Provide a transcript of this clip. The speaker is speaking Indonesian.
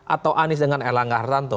atau anies dengan erlangga hartanto